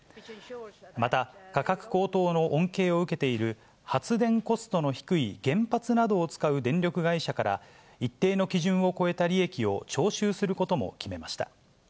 また、価格高騰の恩恵を受けている、発電コストの低い原発などを使う電力会社から、一定の基準を超えた利益を徴収することも決めました。